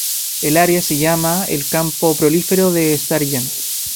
El área se llama el campo petrolífero de Sargent.